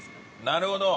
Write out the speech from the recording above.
なるほど。